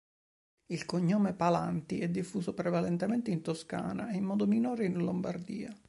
Il cognome Palanti è diffuso prevalentemente in Toscana e in modo minore in Lombardia.